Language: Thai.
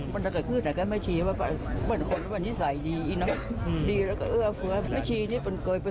พอจำได้แล้วสบายใจมากขึ้นไหมครับ